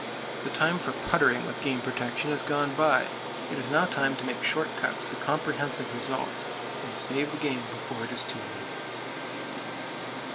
The time for puttering with game protection has gone by. It is now time to make short cuts to comprehensive results, and save the game before it is too late.